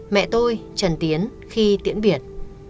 mẹ tôi trần tiến khi tiễn biệt